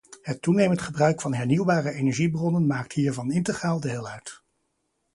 Het toenemend gebruik van hernieuwbare energiebronnen maakt hiervan integraal deel uit.